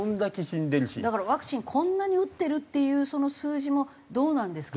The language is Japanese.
だからワクチンこんなに打ってるっていうその数字もどうなんですかね？